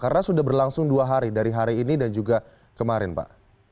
karena sudah berlangsung dua hari dari hari ini dan juga kemarin pak